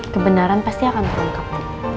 kebenaran pasti akan terungkap